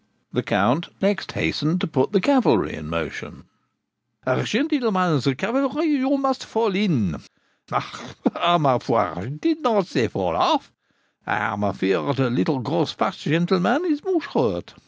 The Count next hastened to put the cavalry in motion. 'Gentilmans cavalry, you must fall in. Ah! par ma foi, I did not say fall off! I am a fear de little gross fat gentilman is moche hurt.